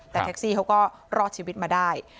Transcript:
แต่แท็กซี่เขาก็รอดชีวิตมาได้